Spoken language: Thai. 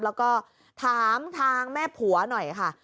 แล้วก็ถามทางแม่ผัวหน่อยค่ะ